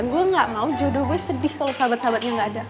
gua ga mau jodoh gue sedih kalo sahabat sahabatnya ga ada